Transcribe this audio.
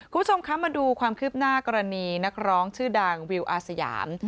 คุณผู้ชมคะมาดูความคืบหน้ากรณีนักร้องชื่อดังวิวอาสยาม